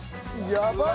やばい！